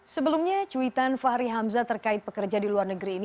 sebelumnya cuitan fahri hamzah terkait pekerja di luar negeri ini